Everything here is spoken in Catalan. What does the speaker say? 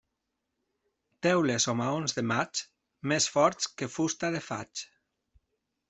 Teules o maons de maig, més forts que fusta de faig.